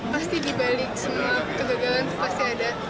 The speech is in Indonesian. pasti di balik semua kegagalan itu pasti ada